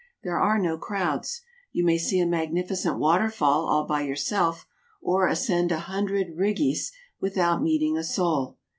There are no crowds ; you may see a magnificent waterfall all by yourself, or ascend a hundred Rigis without meeting a soul.